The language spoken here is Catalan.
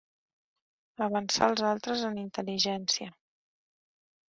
Avançar els altres en intel·ligència.